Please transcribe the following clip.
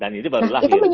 dan itu baru lahir